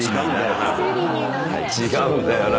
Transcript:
違うんだよな。